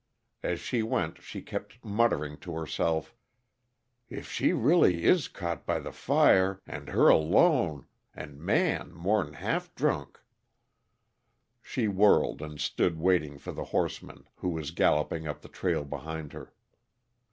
As she went, she kept muttering to herself: "If she really is caught by the fire and her alone and Man more'n half drunk " She whirled, and stood waiting for the horseman who was galloping up the trail behind her.